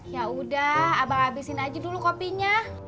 ya udah abang habisin aja dulu kopinya